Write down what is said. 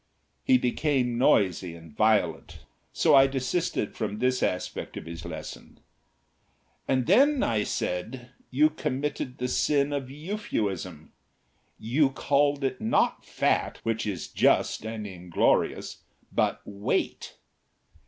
He became noisy and violent, so I desisted from this aspect of his lesson. "And then," said I, "you committed the sin of euphuism. You called it not Fat, which is just and inglorious, but Weight.